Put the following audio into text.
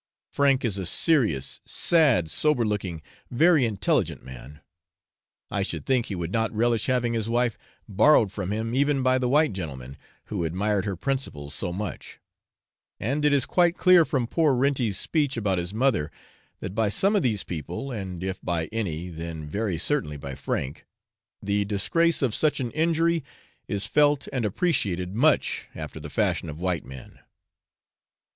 Frank is a serious, sad, sober looking, very intelligent man; I should think he would not relish having his wife borrowed from him even by the white gentleman, who admired her principles so much; and it is quite clear from poor Renty's speech about his mother, that by some of these people (and if by any, then very certainly by Frank), the disgrace of such an injury is felt and appreciated much after the fashion of white men.